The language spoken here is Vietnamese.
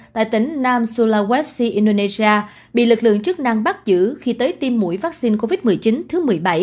tại tỉnh nam sulawesti indonesia bị lực lượng chức năng bắt giữ khi tới tiêm mũi vaccine covid một mươi chín thứ một mươi bảy